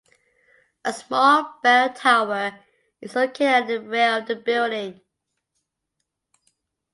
A small bell tower is located at the rear of the building.